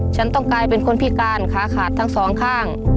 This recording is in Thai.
ฉันต้องกลายเป็นคนพิการขาขาดทั้งสองข้าง